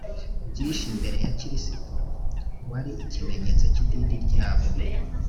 byinshi mbere ya kristo wari ikimenyetso cy idini ryabo